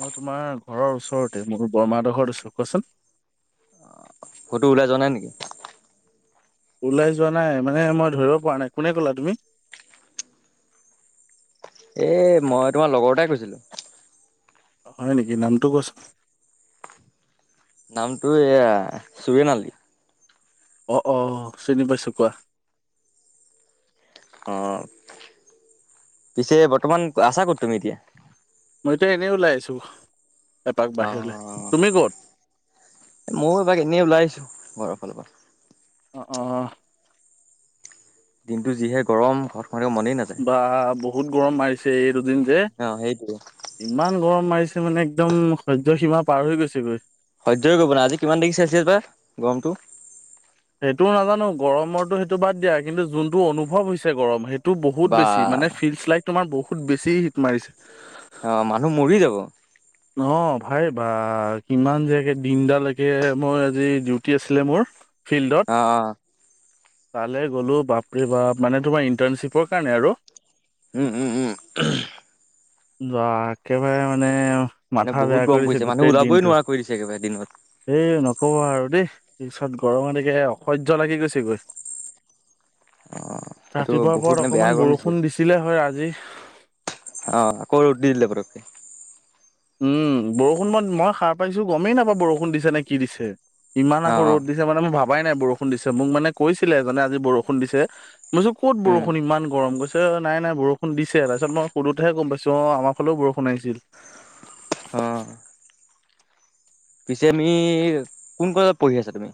মই তোমাৰ ঘৰৰ ওচৰতে মোৰ বৰমা হঁতৰ ঘৰত আছোঁ কোৱাচোন কটো ওলাই যোৱা নাই নেকি? ওলাই যোৱা নাই মানে মই ধৰিব পৰা নাই কোনে কলা তুমি? [inaudible] এ মই তোমাৰ লগৰ এটাই কৈছিলোঁ হয় নেকি? নামটো কোৱাচোন নামটো এইয়া চুৰেন আলি অ অ চিনি পাইছোঁ কোৱা অ পিছে বৰ্তমান আছা ক'ত তুমি এতিয়া? ত এনেই ওলাইছো। অ মইও এপাক এনেই ওলাই আহিছো বৰ। ভালব [inaudible] অ অ অ। দিনটো যিহে গৰম সৎ বা বহুত গৰম মাৰিছে এই দুদিন যে, অ' সেইটোৱে ইমান গৰম মাৰিছে। মানে একদম সহ্য সীমা পাৰ হৈ গৈছেগৈ সহ্যই কৰিব ন আজি কিমান ডিগ্ৰী চেলচিয়াছ পাৰ গৰমতটো? সেইটোও নাজানো গৰমৰটো সেইটো বাদ দিয়া কিন্তু যোনটো অনুভৱ হৈছে গৰম সেইটো তটো বহুত বা বেছি মানে ফিল্ড চ্লাই তোমাৰ বহুত বেছি হিট মাৰিছে অ মানুহ মৰি যাব অ ভাই বা কিমান যে দিনদালকে মই আজি ডিউটি আছিলে মোৰ ফিল্ডত অ' অ' তালৈ গ'লো বাপৰে বাপ মানে তোমাৰ ইণ্টাৰ্ণশ্বিপৰ কাৰণে আৰু উম উম উম। যোৱা একেবাৰে মানে মানে মাথা বহুত বেয়া গৰম কৰিছে পৰিছে মানুহ গোটেই ওলাবই দিনটো নোৱাৰা কৰি দিছে একেবাৰে দিনত। এই নকবা আৰু দেই। তাৰপিছত গৰম তেকে অসহ্য লাগি গৈছে গৈ অ' সেইটো ৰাতিপুৱাৰ বহুত পৰত মানে বেয়া অকমান গৰম দিছে। বৰষুণ দিছিলে হয় আজি আকৌ ৰ'দ দি দিলে পতকে উম বৰষুণ মই মই সাৰ পাইছোঁ গমেই নাপাও বৰষুণ দিছে নে কি দিছে ইমান অ' আকৌ অ' ৰ'দ দিছে মানে মোৰ ভাবাই নাই বৰষুণ দিছে মোক মানে কৈছিলে এজনে আজি বৰষুণ দিছে মই ক'ত উম বৰষুণ ইমান গৰম আ নাই নাই বৰষুণ দিছে তাৰপিছত মই সুধোতেহে গম পাইছোঁ অ আমাৰ ফালেও বৰষুণ আহিছিল অ'। পিছে আমি কোন ক্লাছত পঢ়ি আছা তুমি?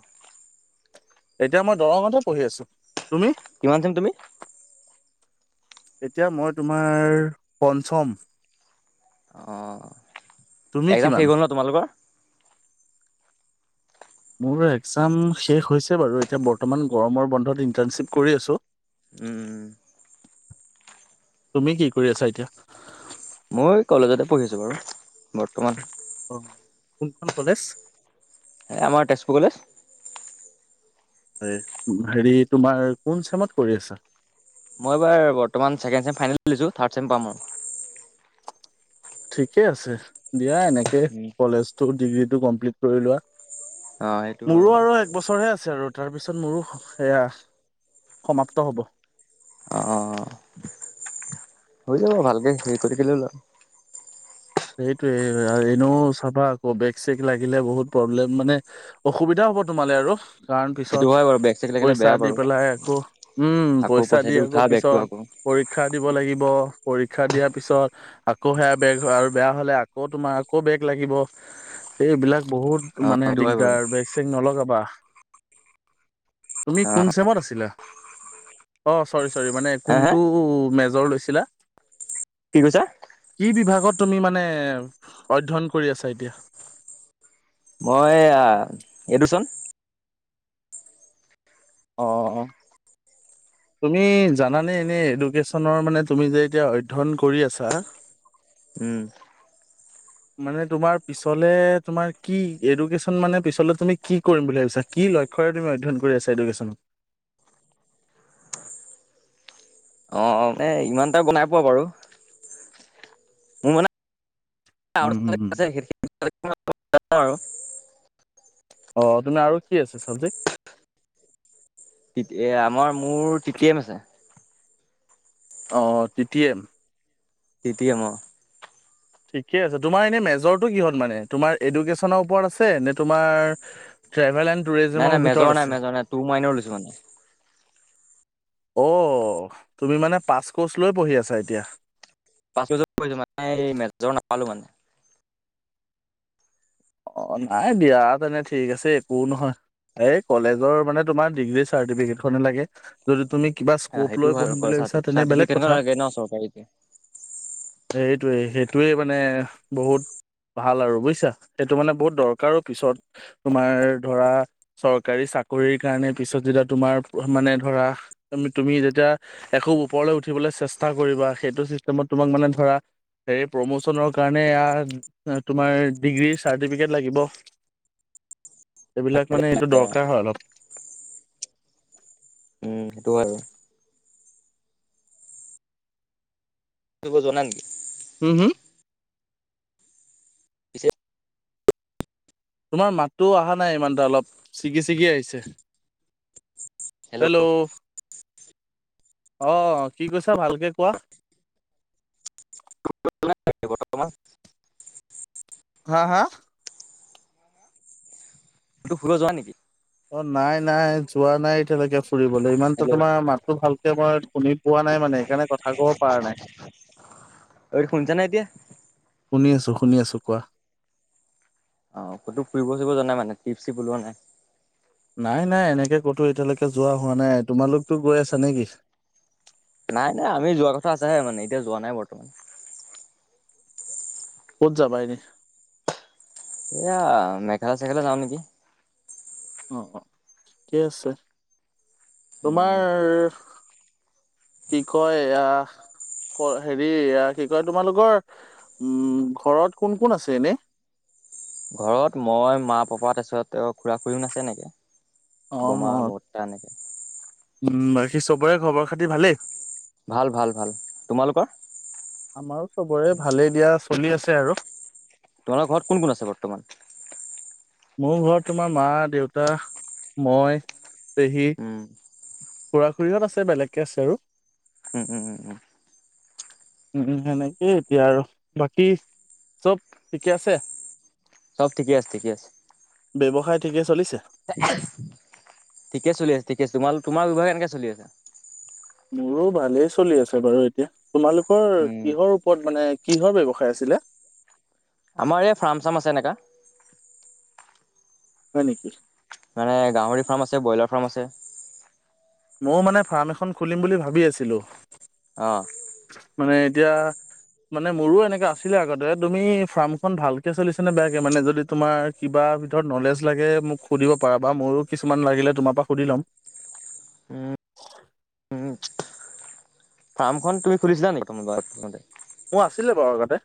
এতিয়া মই দৰঙতে পঢ়ি আছো তুমি? কিমান দিন তুমি এতিয়া মই তোমাৰ পঞ্চম। অঁ তুমি এক্জাম শেষ কিমান? হ'ল ন তোমালোকৰ। [inaudible] মোৰ একজাম শেষ হৈছে বাৰু এতিয়া বৰ্তমান গৰমৰ বন্ধত ইন্টাৰ্ণশ্বিপ কৰি আছোঁ। উমম তুমি কি কৰি আছা এতিয়া? মই কলেজতে পঢ়িছোঁ বাৰু বৰ্তমান। অ কোনখন কলেজ? এই আমাৰ তেজপুৰ কলেজ। হয় হেৰি তোমাৰ কোন চেমত কৰি আছা? মই এইবাৰ বৰ্তমান ছেকেণ্ড চেম ফাইনেল দিছো থাৰ্ড চেম পাম অঁ ঠিকে আছে দিয়া এনেকে কলেজটো ডিগ্ৰীটো কমপ্লিট কৰি লোৱা। অ' সেইটো হয় মোৰো বাৰু। আৰু এক বছৰ হে আছে আৰু তাৰ পিছত মোৰো। সেয়া সমাপ্ত হ'ব। অ হৈ যাব ভালকে হেৰি কৰি লোৱা। সেইটোয়ে এনেও চাবা আকৌ বেগ চেগ লাগিলে বহুত প্ৰব্লেম মানে অসুবিধাও হ'ব তোমালে আৰু কাৰণ সেইটো পিছত- হয় বাৰু বেগ চেগ লাগিলে পইচা বেয়া দি বাৰু। পেলাই আকৌ উম আকৌ পইচা দি আকৌ উঠা বেগটো পিছত- আকৌ। পৰীক্ষা দিব লাগিব পৰীক্ষা দিয়াৰ পিছত আকৌ সেয়া বেগ আৰু- বেয়া হলে আকৌ তোমাৰ আকৌ বেগ লাগিব এইবিলাক- বহুত অ' মানে সেইটো হয় বাৰু। দিগদাৰ বেক চেক নলগাবা। কোন অ' চেমত আছিলা অ চৌৰি চৌৰি মানে হা কোন হা মেজৰ- লৈছিলা কি কৈছা? কি বিভাগত? তুমি মানে অধ্যয়ন কৰি আছা এতিয়া। মই এইটোচোন আহ। তুমি জানানে এনেই এডুকেশ্যনৰ মানে তুমি যে এতিয়া অধ্যয়ন কৰি আছা। উম। মানে তোমাৰ পিছলে তোমাৰ কি এডুকেশ্যন মানে পিছলে তুমি কি কৰিম বুলি ভাবিছা কি? লক্ষ্যৰে তুমি অধ্যয়ন কৰি আছা এডুকেশ্যন। অ অ মে ইমান এটা গম নাই পোৱা বাৰু মোৰ মানে উম আৰু উম উম আহ তুমি আৰু কি আছা চাবজেক্ট? এ আমাৰ মোৰ টিটিএম আছে। অ T T M. T T M, অঁ- ঠিকে আছে, তোমাৰ এনে মেজৰটো কিহত মানে তোমাৰ এডুকেশ্যনৰ ওপৰত আছে নে তোমাৰ- টেভেল এণ্ড নাই টুৰিজিমৰ নাই ভিতৰত মেজৰ নাই আছে মেজৰ নাই ট মাইনৰ লৈছো মানে। অ তুমি মানে পাছ কৰ্চ লৈ পঢ়ি আছা এতিয়া। পাঁচ বছৰ মানে এই মেজৰ নাপালো মানে। অ নাই দিয়া তেনে ঠিক আছে একোও নহয়। এই কলেজৰ মানে তোমাৰ ডিগ্ৰী চাৰ্টিফিকেট খনে লাগে যদি তুমি- কিবা স্ক'প সেইটো লৈ হয় আৰু পঢ়িম বুলি ভাবিছা। তেনে বেলেগ চাৰ্টিফিকেটখন কথা। লাগে ন চৰকাৰীকে সেইটোৱে মানে বহুত ভাল আৰু বুজিছা সেইটো মানে বহুত দৰকাৰো পিছত তোমাৰ ধৰা চৰকাৰী চাকৰিৰ কাৰণে পিছত যদি। যেতিয়া তোমাৰ মানে ধৰা তুমি যেতিয়া এখোজ ওপৰলৈ উঠিবলৈ চেষ্টা কৰিবা সেই- সেইটো চিষ্টেমত তোক মানে ধৰা হেৰি প্ৰমোচনৰ কাৰণে- এইয়া তোমাৰ ডিগ্ৰী - চাৰ্টিফিকেট লাগিব এইবিলাক মানে এইটো দৰকাৰ হয় অলপ। উম সেইটো হয় বাৰু জানা নেকি? হম হম। পিছে তোমাৰ মাতটো অহা নাই ভালকৈ অলপ ছিগি ছিগি আহিছে। হেল্ল' অ কি কৈছে? ক [unintelligible] হা হা? তই ফুৰিব যোৱা নাই অ নাই নাই যোৱা নাই এতিয়ালৈকে ফুৰিবলৈ ইমানতো হেল্ল' তোমাৰ মাততো ভালকে মই শুনি পোৱা নাই মানে সেইকাৰণে কথা ক'ব পৰা নাই। ঐ শুনিছা নে এতিয়া শুনি আছোঁ শুনি আছোঁ কোৱা। অ কতো ফুৰিব চুৰিব জোৱা নাই মানে টিপ চিপ ওলোৱা নাই? নাই নাই এনেকে কতো এতিয়ালৈকে যোৱা হোৱা নাই তোমালোকেনো গৈ আছা নেকি? নাই নাই আমি যোৱা কথা আছেহে মানে এতিয়ালৈকে যোৱা নাই বৰ্তমান ক'ত যাবা এনে? এইয়া মেঘালয় চেঘালয় যাও নেকি। অ অ ঠিকে আছে উম তোমাৰ কি কয় এয়া হেৰি কি কয় তোমালোকৰ ঘৰত কোন কোন আছে এনে [unintelligible] ঘৰত মই মা পাপা তাৰ পিছত খুড়া খুুৰী ন আছে নেকি? অ বৰ্মা অ বটটা এনেকে উম বাকী চবৰে খবৰ খাতি ভালেই ভাল ভাল ভাল তোমালোকৰ আমাৰো চবৰে ভালেই দিয়া চলি আছে আৰু তোমাৰ ঘৰত কোন কোন আছে বৰ্তমান মোৰ ঘৰত তোমাৰ মা দেউতা মই পেহী উম খুড়া খুৰীহঁত আছে বেলেগকে আছে আৰু ওম ওম ওম ওম। উম সেনেকেই এতিয়া আৰু বাকী চব ঠিকে আছে? চব ঠিকে আছে ঠিকে আছে ব্যৱসায় ঠিকে আছে। ঠিকে চলি আছে ঠিকে আছে তোমাৰ ব্যৱহাৰ কেনেকুৱা চলি আছে? মোৰো ভালেই চলি আছে বাৰু এতিয়া তোমালোকৰ উম কিহৰ ওপৰত মানে কিহৰ ব্যৱসায় আছিলে। [unintelligible] আমাৰ এই ফাৰ্ম চাৰ্ম আছে এনেকা। হয় নেকি? মানে গাহৰি ফাৰ্ম আছে ব্ৰইলাৰ ফাৰ্ম আছে। মইও মানে ফাৰ্ম এখন খুলিম বুলি ভাবি আছিলোঁ। অ মানে এতিয়া মানে মোৰো এনেককা আছিলে আগতে তুমি ফাৰ্মখন ভালকে চলিছা নে বেয়াকে মানে যদি তোমাৰ কিবা। তাৰ ভিতৰত ন'লেজ লাগে মোক সুধিব পাৰা বা মইো কিছুমান লাগিলে তোমাৰ পৰা সুধি ল'ম। উম [unintelligible] উম ফাৰ্মখন তুমি খুলিছিলা নেকি তোমাৰতে। মোৰ আছিলে বাৰু আগতে।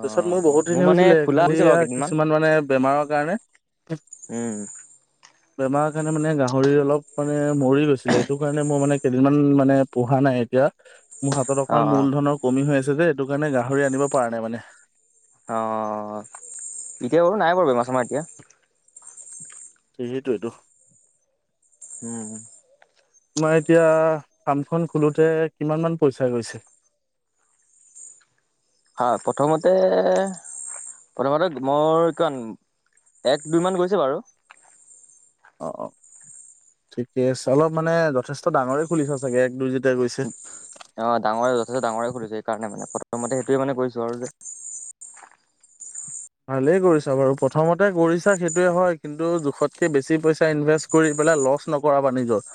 অ মোৰ বহুতখিনি মানে হৈছিলে খোলা খালি হৈছে বাৰু কেইদিনমান কিছুমান মানে বেমাৰৰ কাৰণে। উম। বেমাৰ কাৰণে মানে গাহৰি অলপ মানে মৰি গৈছিলে এইটো কাৰণে মই মানে কেইদিনমান মানে পোহা নাই। এতিয়া মোৰ হাতত অ অকমান মূল অ ধনৰ কমি হৈ আছে যে এইটো কাৰণে গাহৰি আনিব পৰা নাই মানে। অহ এতিয়া বাৰু নাই বাৰু বেমা চেমাৰ এতিয়া। সেইটোৱেইতো। উম। তোমাৰ এতিয়া ফাৰ্মখন খোলোতে কিমান মান পইচা গৈছে। [unintelligible] হয় প্ৰথমতে। প্ৰথমতে মোৰ কিমান এক দুই মান গৈছে বাৰু। অহ অহ ঠিকে আছে অলপ মানে যথেষ্ট ডাঙৰে খোলিছ চাগে এক দুই যেতিয়া গৈছে। অহ ডাঙৰে যথেষ্ট ডাঙৰে খোলিছে সেইকাৰণে মানে প্ৰথমতে সেইটোৱে মানে কৰিছো আৰু যে। ভালেই কৰিছা বাৰু প্ৰথমতে কৰিছা সেইটোয়ে হয় কিন্তু জোখতকে বেছি পইচা ইনভেষ্ট কৰি। লৈ পেলাই লচ নপৰাব নিজৰ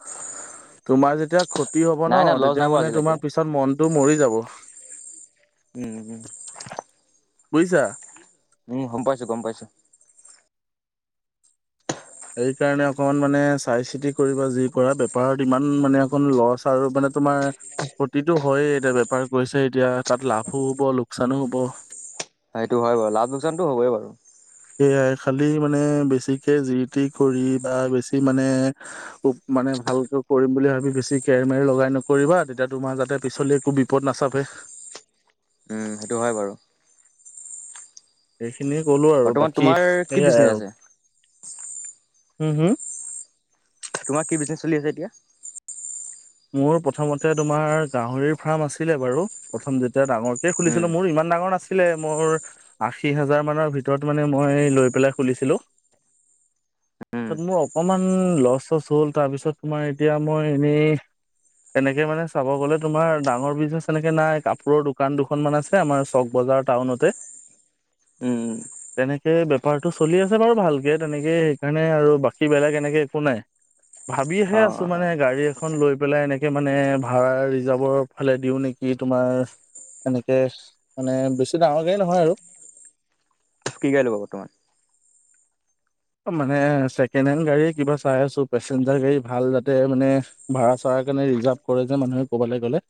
তোমাৰ তেতিয়া। দি হব নাই নাই ন লছ নাই তেতিয়া বাৰু মানে আজিলৈকে। তোমাৰ পিছত মনটো মৰি যাব। উম উম। বুজিছা। উম গম পাইছো গম পাইছো। সেইকাৰণে অকমান মানে চাই চিতি কৰিবা যি কৰা বেপাৰত ইমান মানে অকণ লচ আৰু মানে। তোমাৰ। প্ৰফিট হয় এতিয়া বেপাৰ কৰিছে এতিয়া তাত লাভো হ'ব লোকচানো হ'ব। সেইটো হয় বাৰু লাভ লোকচানতো হবই বাৰু। সেয়াই খালি মানে বেছিকে জি টি কৰি বা বেছি মানে মান। [unintelligible] মানে ভালকে কৰিম বুলি ভাবি বেছি কেৰ মেৰি লগাই নকৰিবা তেতিয়া তোমাৰ যাতে পিছলি একো বিপদ নাচাপে। উম সেইটো হয় বাৰু। সিনিয়ে ক'লো আৰু বৰ্তমান বাকী তোমাৰ কি সেয়াই বিজনেছ আৰু। আছে হুম হুম। তোমাৰ কি বিজনেচ চলি আছে এতিয়া। মোৰ প্ৰথমতে তোমাৰ গাহৰিৰ ফাৰ্ম আছিলে বাৰু প্ৰথম যেতিয়া। এতিয়াাঙৰকে উম খুলিছিলো মোৰ ইমান ডাঙৰ নাছিলে। আছিল মোৰ আশী হাজাৰ মানৰ ভিতৰত মানে মই লৈ পেলাই খুলিছিলো। উম। তাত মোৰ অকমান লচ চচ হ'ল তাৰপিছত তোমাৰ এতিয়া মই এনেই। [unintelligible] তেনেকে মানে চাব গলে তোমাৰ ডাঙৰ বিজনেছ এনেকে নাই কাপোৰৰ দোকান দুখন মান আছে আমাৰ চক বজাৰ। টাউনতে। উম। তেনেকে বেপাৰটো চলি আছে বাৰু ভালকে তেনেকেই সেইকাৰণে আৰু বাকী বেলেগ এনেকে একো নাই। অ ভাবিহে আছো মানে অ গাড়ী এখন লৈ। লৈ পেলাই এনেকে মানে ভাড়া ৰিজাৰ্ভৰ ফালে দিও নেকি তোমাৰ। এনেকে মানে বেছি ডাঙৰ গাড়ী নহয় আৰু। কি গাড়ী ল'ব বৰ্তমান। মানে ছেকেণ্ড হেণ্ড গাড়ীয়ে কিবা চাই আছো পেচেঞ্জাৰ গাড়ী ভাল যাতে মানে ভাড়া চাৰা। তাৰ কাৰণ এই ৰিজাৰ্ভ কৰে যে মানুহে কবালে গ'লে।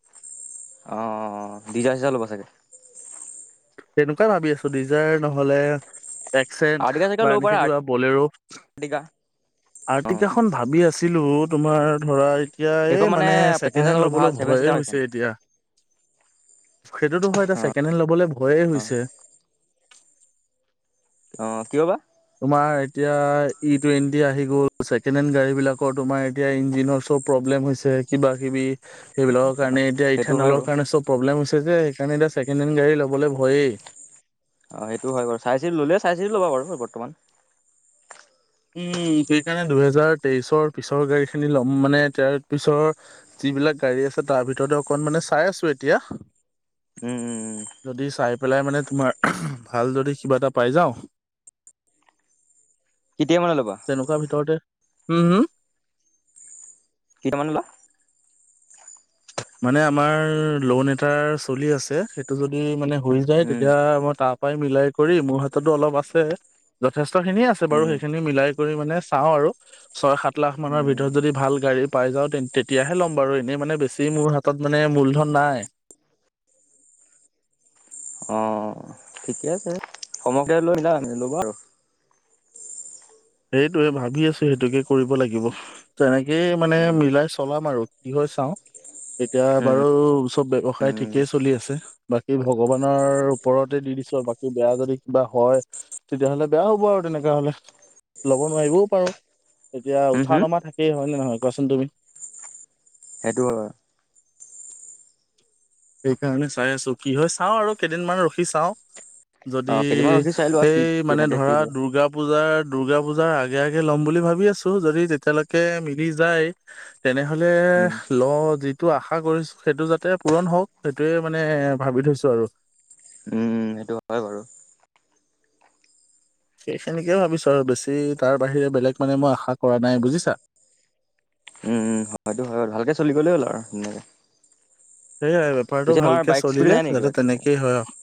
অঁহ [unintelligible] ডিজাৰ চিজাৰ ল'ব চাগে তেনেকুৱাই ভাবি আছো ডিজাৰ নহলে একচেণ্ট আৰ্টিকা চাৰ্টিকা বা ল'ব পাৰা এনেকে কিবা বলেৰো আৰ্টিকা অ। আৰ্টিকাখনন ভাবি আছে ভাবিছিলো তোমাৰ ধৰা এতিয়া সেইখন এই মানে ছেকেণ্ড পেচেঞ্জাৰ হেণ্ড যাবলৈ ভাল ল'বলৈ ছেভেন ভয়ে চিটাৰ সেইখন হৈছে এতিয়া সেইটোতো হয় এতিয়া ছেকেণ্ড হেণ্ড ল'বলৈ ভয়েই হৈছে অহ কিয় বা তোমাৰ এতিয়া ই টুৱেন্টি আহি গল ছেকেণ্ড হেণ্ড গাড়ী বিলাকৰ তোমাৰ এতিয়া ইঞ্জিনৰ। প্ৰব্লেম হৈছে কিবা কিবি সেইবিলাক। কাৰণে এতিয়া সেইটো হয় ইথাানলৰ বাৰু। কাৰণে চব প্ৰব্লেম হৈছে যে সেইকাৰণে এতিয়া ছেকেণ্ড হেণ্ড গাড়ী ল'বলৈ ভয়েই। অ সেইটোও হয় বাৰু চাই চিতি ল'লে চাই চিতি লবি বাৰু বৰ্তমান। উম সেইকাৰণে দুহেজাৰ তেইশৰ পিছৰ গাড়ী খিনি লম মানে তেৰ পিছৰ। যিবিলাক গাড়ী আছে তাৰ ভিতৰতে অকন মানে চাই আছো এতিয়া। উম উম যদি উম। চাই পেলাই মানে তোমাৰ ভাল যদি কিবা এটা পাই যাওঁ। কেতিয়া মানে ল'বা তেনেকোৱা ভিতৰতে হম হম। কেইটামান লোৱা। মানে আমাৰ লোন এটাৰ চলি আছে সেইটো যদি মানে। হৈ যায় উম তেতিয়া মই তাৰ পৰাই মিলাই কৰি মোৰ হাততো অলপ আছে যথেষ্ট। খিনি আছে বাৰু উম সেইখিনি মিলাই কৰি মানে চাও আৰু ছয় সাত লাখৰ উম ভিতৰত যদি ভাল গাড়ী। পাই যাওঁ তেতিয়াহে ল'ম বাও এনেই মানে বেছি। সেই মোৰ হাতত মানে মূলধন নাই। অঁ ঠিকে আছে সমকৈ লৈ মিল ল'ব আৰু। সেইটোৱে ভাবি আছো সেইটোকে কৰিব লাগিব তেনেকেই মানে উম মিলাই চলাম আৰু। কি হয় চাও এতিয়া উম বাৰু চব ব্যৱসায় উম ঠিকেই চলি আছে। বাকী ভগৱানৰ ওপৰতে দি দিছো আৰু বাকী বেয়া যদি কিবা হয় তেতিয়াহ'লে বেয়া হ'ব আৰু। তেনেকাহলে। ল'ব নোৱাৰিবও পাৰো তেতিয়া হম উঠা হম নমা থাকেই হয় ন নহয় কোৱাচোন তুমি। সেইটো হয়। সেইকাৰণে চাই আছো কি হয় চাওঁ আৰু কেইদিনমান ৰখি চাওঁ। অ যদি কেইদিনমান ৰখি চাই লোৱা কি এই মানে কেনেকে কি ধৰা লোৱা দূৰ্গা পূজাৰ। দূৰ্গা পূজাৰ আগে আগে লম বুলি ভাবি আছো যদি তেতিয়ালৈকে মিলি যায়। তেনেহ'লে উম ল যিটো আশা কৰিছোঁ সেইটো যাতে পূৰণ হওক। সেইটোয়ে মানে ভাবি থৈছো আৰু উম সেইটো হয় বাৰু সেইখিনিকে ভাবিছো আৰু বেছি তাৰ বাহিৰে বেলেগ মানে মই আশা কৰা নাই বুজিছা [inaudible] উম হয়টো হয় ভালকে চলি গ'লেই হ'ল আৰু ধুনীয়াকে। সেয়ে বেপাৰটো পিছে তোমাৰ ভালকে বাইক স্কুটি চলিলে নাই নেকি কিবা যাতে কিবি তেনেকেই হয় আৰু।